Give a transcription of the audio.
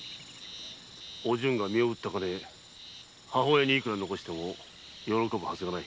お順が身を売った金をいくら残したとて母上が喜ぶはずがない。